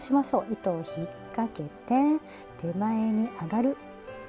糸をひっかけて手前に上がる。